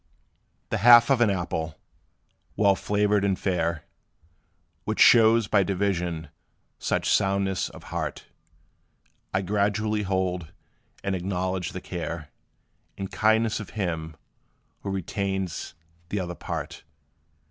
The half of an apple, well flavored and fair, Which shows by division such soundness of heart, I gratefully hold; and acknowledge the care And kindness of him, who retains t 'other part.